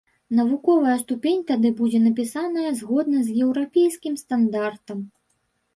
Навуковая ступень тады будзе напісаная згодна з еўрапейскім стандартам.